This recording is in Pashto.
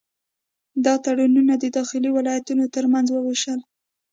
دا تړونونه د داخلي ولایتونو ترمنځ وشول.